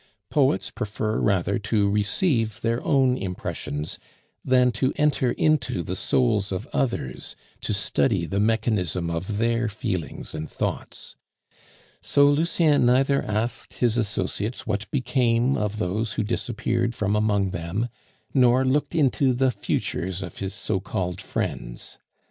Poets prefer rather to receive their own impressions than to enter into the souls of others to study the mechanism of their feelings and thoughts. So Lucien neither asked his associates what became of those who disappeared from among them, nor looked into the futures of his so called friends.